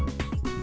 bộ phần môn tiền